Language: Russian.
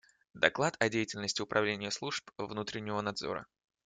Доклад о деятельности Управления служб внутреннего надзора.